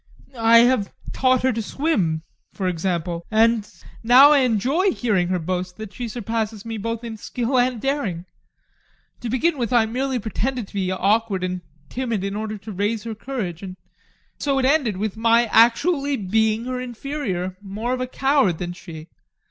I have taught her to swim, for example, and now I enjoy hearing her boast that she surpasses me both in skill and daring. To begin with, I merely pretended to be awkward and timid in order to raise her courage. And so it ended with my actually being her inferior, more of a coward than she.